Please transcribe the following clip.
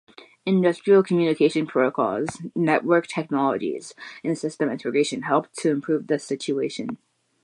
Industrial communication protocols, network technologies, and system integration helped to improve this situation.